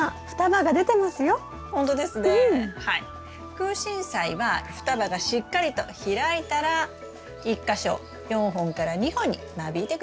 クウシンサイは双葉がしっかりと開いたら１か所４本から２本に間引いて下さい。